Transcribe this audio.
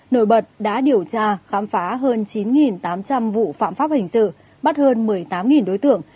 nổi bật đã điều tra khám phá hơn chín tám trăm linh vụ phạm pháp hình sự bắt hơn một mươi tám đối tượng